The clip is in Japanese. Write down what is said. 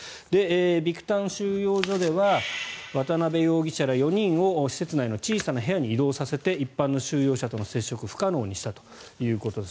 ビクタン収容所では渡邉容疑者ら４人を施設内の小さな部屋に移動させて一般の収容者との接触を不可能にしたということです。